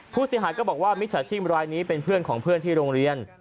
ผู้เสียหายก็บอกว่ามิจฉาชีพรายนี้เป็นเพื่อนของเพื่อนที่โรงเรียน